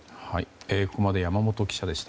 ここまで山本記者でした。